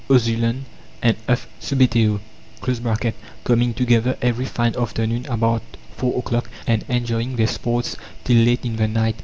oesulon, and F. subbuteo), coming together every fine afternoon about four o'clock, and enjoying their sports till late in the night.